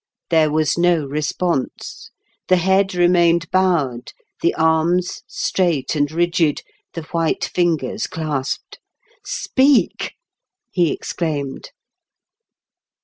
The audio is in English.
There was no response ; the head remained bowed, the arms straight and rigid, the white fingers clasped. " Speak !" he exclaimed.